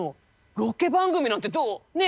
ロケ番組なんてどう？ねえ？